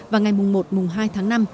và ngày mùa một mùa hai tháng năm